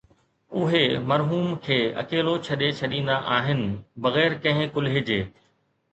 اهي مرحوم کي اڪيلو ڇڏي ڇڏيندا آهن بغير ڪنهن ڪلهي جي